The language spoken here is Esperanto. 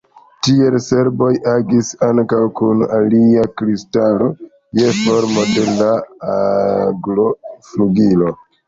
Tiel serboj agis ankaŭ kun alia kristalo, je formo de la agloflugilo.